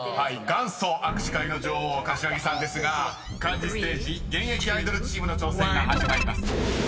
［元祖握手会の女王柏木さんですが漢字ステージ現役アイドルチームの挑戦が始まります］